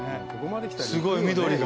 すごい緑だ。